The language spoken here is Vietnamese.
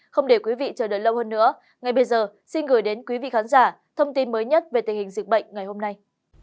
không để quý vị chờ đợi lâu hơn nữa ngay bây giờ xin gửi đến quý vị khán giả thông tin mới nhất về tình hình dịch bệnh ngày hôm nay